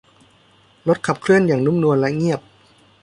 รถขับเคลื่อนอย่างนุ่มนวล และเงียบ